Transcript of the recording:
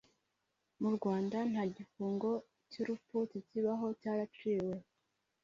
Mu urwanda ntagifungo cy’urupfu kikibaho cyaraciwe